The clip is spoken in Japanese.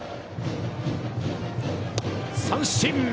三振！